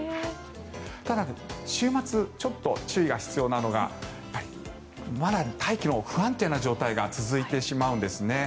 ただ、週末ちょっと注意が必要なのがまだ大気、不安定な状態が続いてしまうんですね。